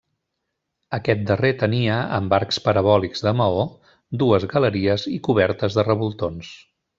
Aquest darrer tenia, amb arcs parabòlics de maó, dues galeries i cobertes de revoltons.